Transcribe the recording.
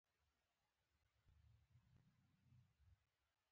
کومه ورځ مو دغه شاعر په غیر متوازن حالت ولید.